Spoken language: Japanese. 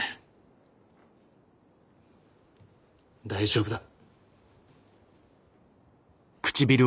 大丈夫だ。